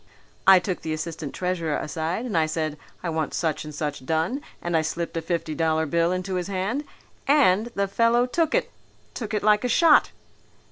I took the assistant treasurer aside and I said, 'I want such and such done,' and I slipped a fifty dollar bill into his hand. And the fellow took it, took it like a shot."